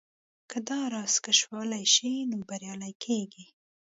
که دا راز کشفولای شئ نو بريالي کېږئ.